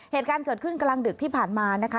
เหตุการณ์เกิดขึ้นกลางดึกที่ผ่านมานะคะ